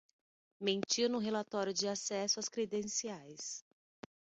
Mentiu no relatório de acesso às credenciais